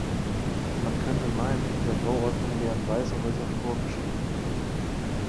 Man könnte meinen in der Bauordnung wären weiße Häuser vorgeschrieben gewesen.